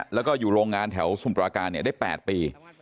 แล้วก็อยู่โรงงานแถวสมุปราการได้๘ปี